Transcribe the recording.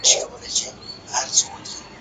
د ناسا معلومات تل په وخت سره تازه کیږي.